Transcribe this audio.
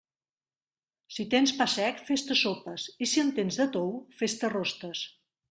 Si tens pa sec, fes-te sopes, i si en tens de tou, fes-te rostes.